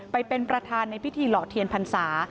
ไปเป็นประธานในพิธีหล่อเทียนพรรษา